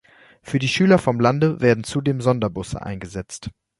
Für die Schüler vom Lande werden zudem Sonder-Busse eingesetzt.